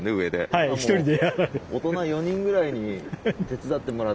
はい１人で。